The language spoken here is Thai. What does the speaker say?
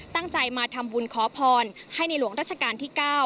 ตั้งใจมาทำบุญขอพรให้ในหลวงราชการที่๙